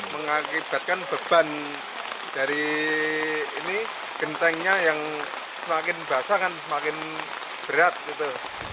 mengakibatkan beban dari ini gentengnya yang semakin basah kan semakin berat gitu